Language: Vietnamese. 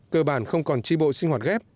cơ bản không còn tri bộ sinh hoạt ghép